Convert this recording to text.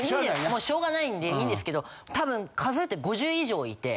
もうしょうがないんでいいんですけど多分数えて５０以上いて。